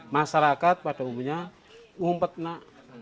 masyarakat pada umurnya umpet nak